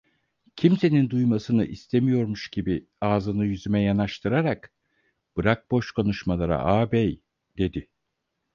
Kimsenin duymasını istemiyormuş gibi ağzını yüzüme yanaştırarak: "Bırak boş konuşmaları, ağabey!" dedi.